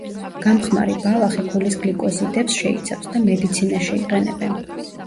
გამხმარი ბალახი გულის გლიკოზიდებს შეიცავს და მედიცინაში იყენებენ.